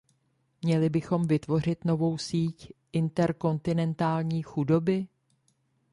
Měli bychom vytvořit novou síť interkontinentální chudoby?